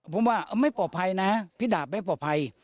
ผมว่าไม่ปลอดภัยนะพี่ดาบไม่ปลอดภัย